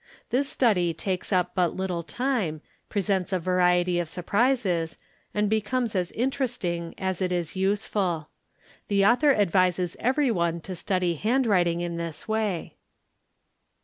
This study takes up but little time, presents a— variety of surprises, and becomes as interesting as it is useful. The author advises everyone to study handwriting in this way.